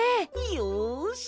よし！